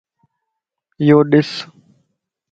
يوڏس